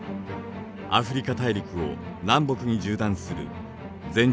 アフリカ大陸を南北に縦断する全長